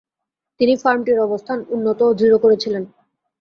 তিনি ফার্মটির অবস্থান উন্নত ও দৃঢ় করেছিলেন।